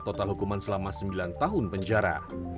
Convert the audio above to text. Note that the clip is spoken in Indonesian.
total hukuman selama sembilan tahun penjara